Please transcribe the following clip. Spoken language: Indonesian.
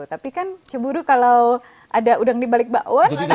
tapi kan cemburu kalau ada udang dibalik bauan